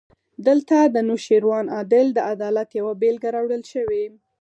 دلته د نوشیروان عادل د عدالت یوه بېلګه راوړل شوې.